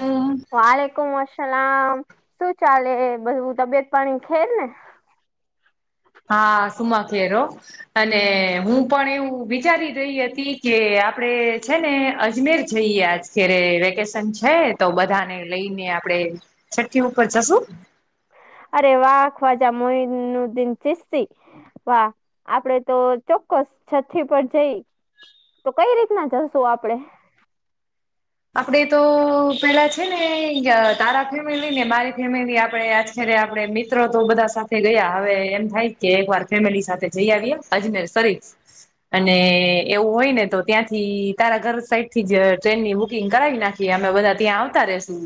હમ. વાલેકુમ સલામ શું ચાલે બધું તબિયત પાણી ખેર ને? હા, સુમા ખેર હો અને હું પણ એવું વિચારી રહી હતી કે આપણે છે ને અજમેર જઈએ. આજ અત્યારે વેકેશન છે તો બધાને લઈને આપણે છઠ્ઠી ઉપર જશું અરે વાહ ખવાજા મોઈનુ દિન ચીસદી વાહ આપડે તો ચોક્કસ છઠી પર જઈ તો કઈ રીતના જશું આપણે આપણેે તો પેલા છે ને તારા ફેમિલી ને બારી ફેમિલી આપણે આચર આપડે મિત્ર તો બધા સાથે ગયા હવે એમ થાય કે એક વાર ફેમિલી સાથે જઈ આવીયે અજમેર સરીફ અને એવું હોય ને તો ત્યાંથી તારા ઘર સાઈડ થી જ ટ્રેનની બુક બુકિંગ કરાવી નાખીએ અમે બધા ત્યાં આવતા રહિશું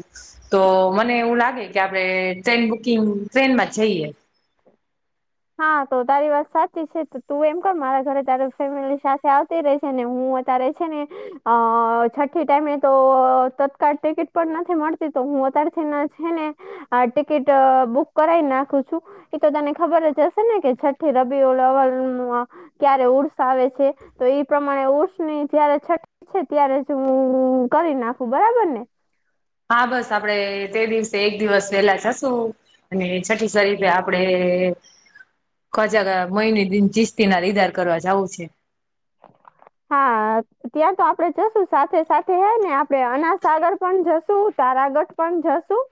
તો મને એવું લાગે કે આપડે ટ્રેન બુકિંગ ટ્રેનમાં જ જઈએ હા તો તારી વાત સાચી છે તો તું એમ કર મારા ઘરે તાર ફેમિલી સાથે આવતી રહેજે હું ત્યારે છે ને અ છઠ્ઠી ટાઈમે તો તત્કાળ ટિકિટ પણ નથી મળતી તો હું અત્યારથી ના છે ને આ ટિકિટ બુક કરાઈ નાખું છું એ તો તને ખબર જ જસે ને કે છઠી રબી ઓ લવલ ક્યારે ઉર્ષ આવે છે તો એ પ્રમાણે ઉર્ષની જયારે છઠ છે ત્યારે જ હું કરી નાખું બરાબર ને હા બસ આપડે તે દિવસે એક દિવસ વેલા જશું અને છઠ્ઠી શરીફે આપડે ખવાજા મોઈનુ દિન ચીસદીના દીદાર કરવા જાવું છે [inaudible] હા ત્યાં તો આપડે જશું સાથે સાથે હ ને આપણે અનાસાગર પણ જશું તારાગઢ પણ જશું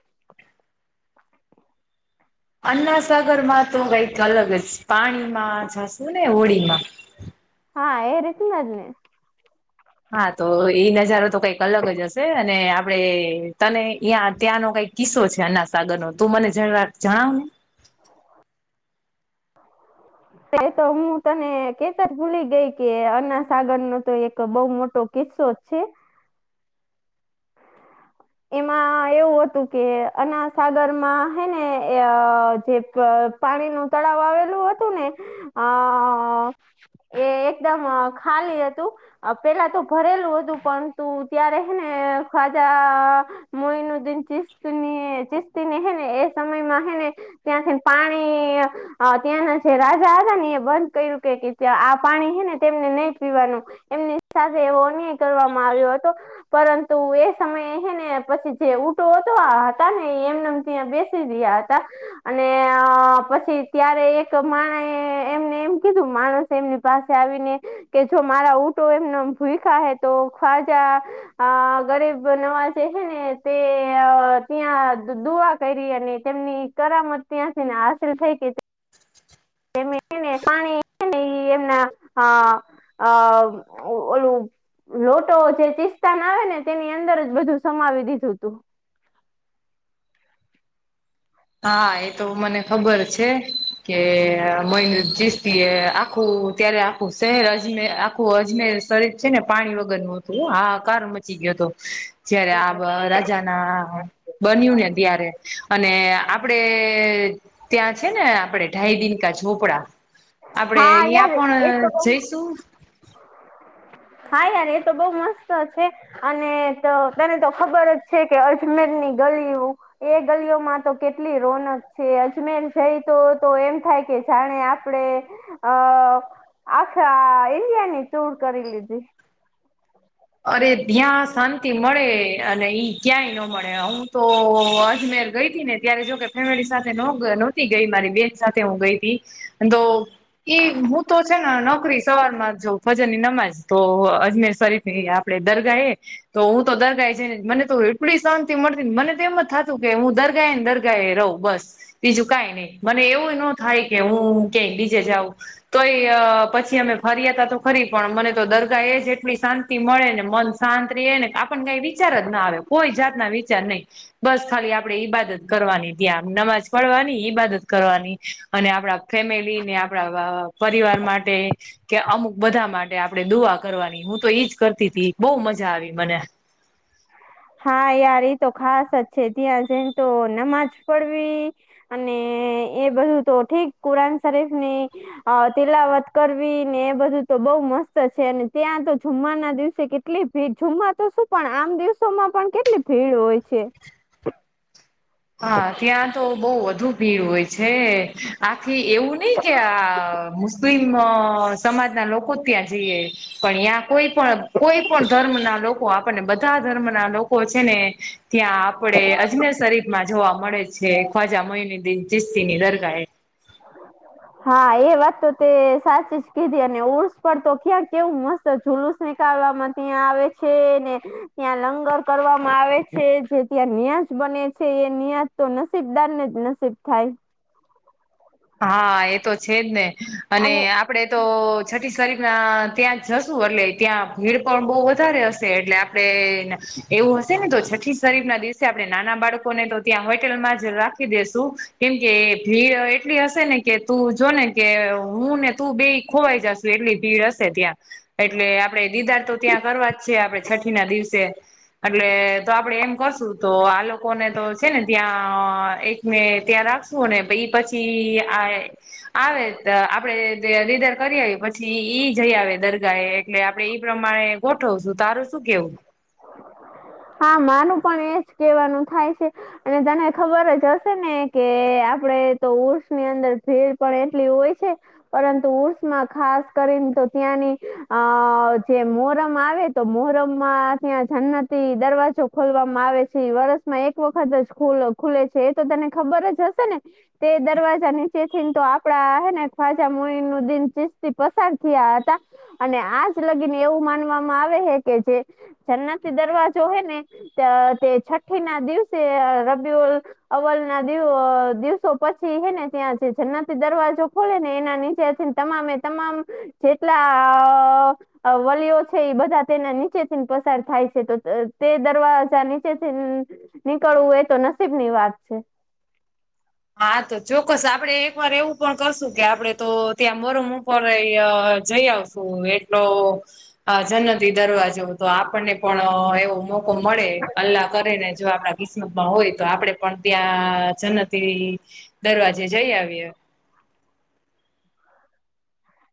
અન્નાસાગર માં તો કઈક અલગ જ પાણીમાં જશું ને હોળીમાં હા એ રીત ના ને. હા તો એ નજારો તો કઈક અલગ જ હશે અને આપડે તને અ્યાં ત્યાંનો કઈક કિસ્સો છે અન્નાસાગર નો તું મને જરાક જણાવ ને. ત્યાં તો હું તને કેતા ભૂલી ગઈ કે અન્નાસાગર નો તો એક બઉ મોટો કિસ્સો છે. એમાં એવું હતું કે અન્નાસાગર માં હે ને અ જે. પાણી નું તળાવ આવેલું હતું ને આ. એ એકદમ ખાલી હતું. અ પેલા તો ભરેલું હતું પરંતુ ત્યારે હેને ખાવ્જા અ મોયુનુ દિન ચીસ્તી ની ચીસ્તીને હેને એ સમય માં હેને. ત્યાંથી પાણી હા ત્યાંના જે રાજા હતા ને એ બંધ કર્યું કે આ પાણી હે ને તેમને નહી પીવાનું એમની સાથે એવો અન્યાય કરવામાં આવ્યો હતો પરંતુ એ સમયે હેને પછી જે ઊટો તો હતા ને એ એમનેમ ત્યાં બેસી રહ્યા હતા. અને અ પછી ત્યારે એક માણાએ એમને એમ કીધું માણસ એમની પાસે આવીને કે જો મારા ઉઊંટો એમના ભૂખાયા હે તો ખ્વાજા. અ ગરીબ નવાજ તે હેને તે અ ત્યાં દુઆ કરી અને તેમની કરામત ત્યાંથી ને હાસિલ થઈ કે. એને [inaudible] પાણીને એમના આ ઓલુ. લોટો જે ચિસ્તાન આવે ને તેની અંદર જ બધું સમાવી દીધું તું. હા એ તો મને ખબર છે કે મન જીસ્તી એ આખું ત્યારે આખું શહેર અજમે આખું અજમેર શરીર છે ને પાણી વગર નું હતું આ કાર મચી ગયો હતો. જયારે આ રાજા ના બન્યું ને ત્યારે અને આપડે ત્યાં છે ને આપડે ઢાઈ દિનકા ઝોપડા આપડે હા અહિયાં યાર એ તો પણ બહુ જઈશું હા યાર એ તો બહુ મસ્ત છે. અને તો તને તો ખબર જ છે કે અજમેરની ગલીઓ એ ગલીઓમાં તો કેટલી રોનક છે અજમેર જઈ તો તો એમ થાય કે જાણે આપ આપણે અ આખા ઇન્ડિયાની ટુર કરી લીધી. અરે ધ્યાં શાંતિ મળે અને ઈ ક્યાંય ન મળે હું તો અજમેર ગઈ હતી ને. ત્યારે જોકે ફેમિલી સાથે નહોતી ગઈ મારી બેન સાથે હું ગઈ હતી તો ઈ હું તો છે ને નોકરી સવારમાં જોઉ ભજન ની નમાજ તો અજમેર શરીફ એ આપડે દર્ગા એ. તો હું તો દરગાએ જઈ ને મને તો એટલી શાંતિ મળતીને મને તો એમ જ થતું કે હું દરગાય એ ને દરગા એ રહું. બસ બીજું કઈ નહી મને એવું ન થાય કે હું કય બીજે જાઉં. તોય પછી અમે ફર્યા હતા તો ફરી પણ મને તો દરગાહ એ જ એટલી શાંતિ તી મળે ને મન શાંત રે ને આપણને કઈ વિચાર જ ના આવે કોઈ જાતના વિચાર નહીં. બસ ખાલી આપડે ઈબાદત કરવાની ત્યા નમાજ પડવાની ઈબાદત કરવાની અને આપણા ફેમિલી ને આપડા અ પરિવાર માટે. કે અમુક બધા માટે આપડે દુઆ કરવાની હું તો ઈજ કરતી તી બહુ મજા આવી મને. હા યાર એ તો ખાસ જ છે ત્યાં જઈ તો નમાજ પડવી. અને એ બધું તો ઠીક કુરાન શરીફ ની. અ તિલાવત કરવી ને એ બધું તો બહુ મસ્ત છે અને ત્યાં તો જુમમાના દિવસે કેટ કેટલી ભીડ જમા તો શું પણ આમ દિવસોમાં પણ કેટલી ભીડ હોય છે. હા ત્યાં તો બહુ વધુ ભીડ હોય છે. આખી એવું નઈ કે આ મુસ્લિમ સમાજના લોકો જ ત્યાં જઈએ. પણ ત્યાં કોઈ પણ કોઈ પણ ધર્મ ના લોકો આપણને બધા ધર્મ ના લોકો છે ને. ત્યાં આપડે અજને શરી માં જોવા મળે છે ખ્વાજા મહયની દિન ચિસ્તીની દરગાએ. હા એ વાત તો તે સાચી જ કીધી અને ઉર્સ પણ તો ક્યાં કેવું મસ્ત જુલુસ નીકળવાવામાં ત્યાં આવે છે ને. ત્યાં લંગર કરવામાં આવે છે જે ત્યાં નિ્યાજ બને છે એ નિ્યાજ તો નસીબદાર ને જ નસીબ થાય. હા એ તો છેજ ને, અને આપણે તો છઠ્ઠી શરીરના ત્યાં જશું એટલે ત્યાં ભીડ પણ બહુ વધારે હશે એટલે આપણે આપણે, એવું હશે ને તો છઠ્ઠી શરીફ ના દિવસે આપણે નાના બાળકોને તો ત્યાં હોટેલમાં જ રાખ દસું, કેમ કે થ્રીટ એટલી હશે ને કે તું જોને કે હું ને તું બે ખોવાઈ જશુ એટલી ભીડ હશે ત્યાં. એટલે આપડણે દીદાર તો ત્યાં કરવા જ છે આપડણે છઠ્ઠી ના દિવસે. એટલે તો આપડે એમ કશું તો આ લોકોને તો છે ને ત્યાં એક ને ત્યાં રાખશું ને પ પછી આ આવે આપડે રીધર કરી આવીએ પછી. પછી ઈ જઈ આવે દરગા એટલે આપડે ઈ પ્રમાણે ગોઠવશું, તારું શું કેવું? હા માર પણ એજ કેવાનું થાય છે. અને તને ખબર જ હશે ને કે આપડે તો ઉર્ષની અંદર ભીડ પણ એટલી હોય છે. પરંતુ ઉર્સમાં ખાસ કરીને તો ત્યાંની, આ જે મોરમ આવે. તો મોહરમમાં ત્યાં જન્નત થી દરવાજો ખોલવામાં આવે છે વરસમાં એક વખત જ ખુલે છે. તો તને ખબર જ હશે ને. તે દરવાજા નીચે થીને તો આપડા હને ખ્વાજા મુ નું દિન ચીસ્તી પસાર થયા હતા. અને આજ લગીને એવું માનવામાં આવે હે કે જે, જન્નતિ દરવાજો હે ને. તે છઠ્ઠી ના દિવસે રબિલ અવલ ના દિવ દિવસો પછી હેને ત્યાં જે જન્નતિ દરવાજો ખોલે ને એના નીચે તમામે તમામ. જેટલા વલીઓ છે એ બધા તેના નીચે થી પસાર થાય છે. તો તે દરવાજા નીચે થી નીકળવું એ તો નસીબ ની વાત છે. હા તો ચોક્કસ આપડે એક વાર એવું પણ કરશું કે આપડે તો ત્યાં મરમ ઉપર જઈ આવશ. એટલો, જનતી દરવાજો તો આપણને પણ એવો મોકો મળે અલ્લાહ કરેને જો આપડા કિસ્મતમાં હોય તો આપડે પણ ત્યાં જનત તે દરવાજે જઈ આવીએ.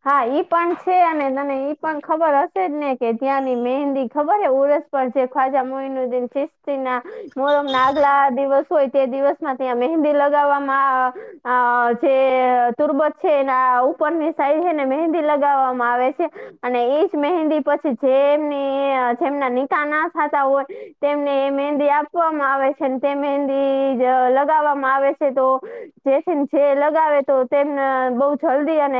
હા ઈ પણ છે અને તને ઈ પણ ખબર હશે જ ને કે ત્યાંની મહેંદી ખબર હ ઉરસ જે ખ્વાજા મઈનુદ્દદીન ચિસ્તિ ના, મોહરમ ના આગલા દિવસ હોય તે દિવસમાં ત્યાં મહેંદી લગાવવામાં અ જે તુરબજ છે એના ઉપરની સાઈડ હે ને મહેંદી લગાવવામાં આવે છે. અને એજ મહેંદી પછી જે એમની જેમના નિકાહ ના થતા હોય. તેમને મહેંદી આપવામાં આવે છે ને તે મહેંદી લગાવવામાં આવે છે તો જેથી જે લગાવે તો તેમને બઉ જલ્દી અને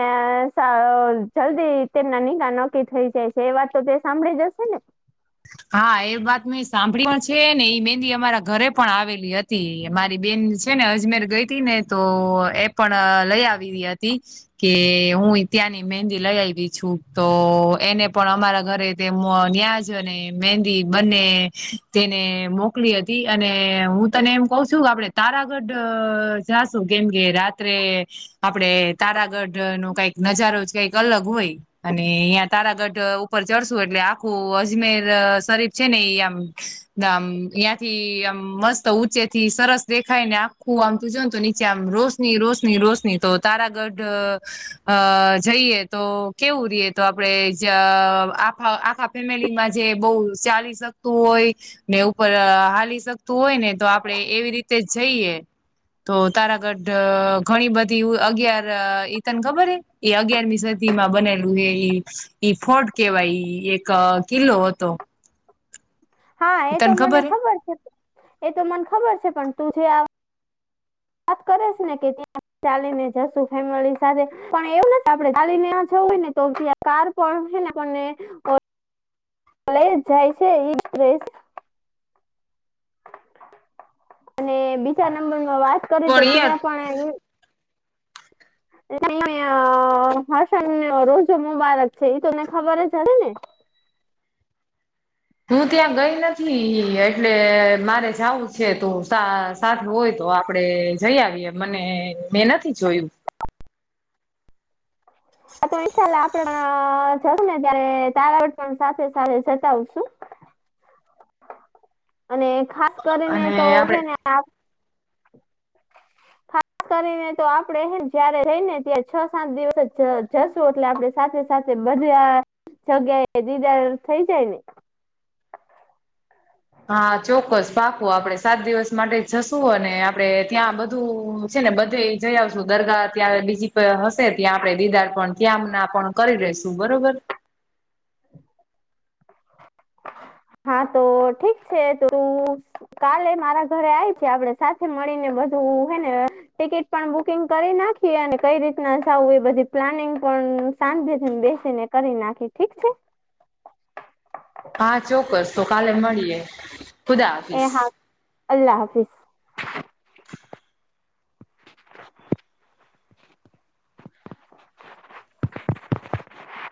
જલ્દી તેમના નિકાહ નક્કી થઈ જાય છે એ વાત તો તે સાંભળી જ હશે ને હા એ વાત મેં સાંભળી પણ છે ને એઈ મેંદી અમારા ઘરે પણ આવેલી હ તી મારી બેન છે ને અજમેર ગઈ હતી ને તો એ પણ લઈ આવેલી હતી. કે હું ત્યાંની મહેંદી લઈ આવી છું તો એને પણ અમારા ઘરે તે ન્યાજ અને મેંહદી બંને તેને મોકલી હતી અને હું તને એમ કહુ છું આપણે તારાગઢ જાશું કેમ કે રાત્રે આપડે તારાગઢ નો કઈક નજારો જ કઈક અલગ હોય. અને અહિયાં તારાગઢ ઉપર ચઢશુ એટલે આખું અજ મેર શરીફ છે ને એ આમ ના આમ યાંથી આમ મસ્ત ઊંચેથી સરસ દેખાય ને આખું આમ તું જો ને તો નીચે આમ રોશ ની રોશની રોશની તો તારાગઢ અ જઈએ તો કેવું રહીએ તો આપડે આ આખા ફેમિલી માં જે બહુ ચાલી શકતું હોય ને ઉપર હાલી શકતું હોય ને તો આપડે એવી રીતે જઈએ. તો તારાગઢ ઘણી બધી અગિયાર ઈ તન ખબર હે એ અગિયારમી સદી માં બનેલું એ ઈ ઈ ફોર્ટ કેવાય એક કિલ્લો હતો. હા એ તો મને ખબર છે એતો મને ખબર છે પણ તું જે આ વાત કરે છે ને કે ત્યાં ચાલીને જશુ ફેમિલી સાથે પણ એવું નથી આપણે ચાલીને જવું હોય ને તો કાર પણ [unintelligible] લઈ જ જાય છે ઈ જ પ્રેસ અને બીજા નંબરમાં વાત કરી તો પણ યાર ત્યાં પણ ઈ [unintelligible] રોજો મુબારક છે એ તને ખબર જ હશે ને હું ત્યાં ગઈ નથી એટલે મારે જાવું છે તો સાથે હોય તો આપડે જઈ આવીએ મને મેં નથી જોયું. આ તો વિશાળ આપણ જશું ને ત્યારે તારગઢ પણ સાથે સાથે જતા આવશું. અને ખાસ કરીને અને તો છે આપડે ને [unintelligible] ખાસ કરીને તો આપડે જયારે રહી ને ત્યાં છ સાત દિવસ જશું એટલે આપડે સાથે સાથે બધા જગ્યાએ દીદાર થઈ જાય ને. હા ચોક્કસ પાકું આપડે સાત દિવસ માટે જ જશું અને આપડે ત્યાં બધું છે ને બધે જઈ આવશું દરગાહ ત્યાં બીજી હશે ત્યાં આપડે દીદાર પણ ત્યાં ના પણ કરી લેશું બરોબર હા તો ઠીક છે તુરું કાલે મારા ઘરે આવીજા આપડે સાથે મળીને બધું હે ને ટિકિટ પણ બુકિંગ કરી નાખીએ અને કઈ રીતના જાવું એ બધી પ્લાનિંગ પણ શાંતિ થી બેસીને કરી નાખી ઠીક છે હા ચોક્કસ તો કાલે મળીએે એ હા અલ્લાહ હાફિસ.